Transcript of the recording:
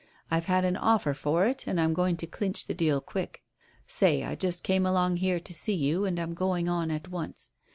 I've had an offer for it, and I'm going to clinch the deal quick. Say, I just came along here to see you, and I'm going on at once.